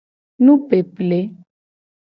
Nupeple.